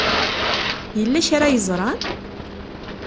Yella kra ay ẓran?